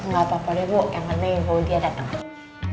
gapapa deh ibu yang penting ibu dia datang